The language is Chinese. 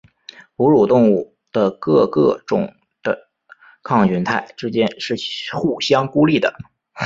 哺乳动物的各个种的抗菌肽之间是互相孤立的。